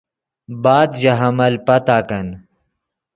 بعد ژے حمل پتاکن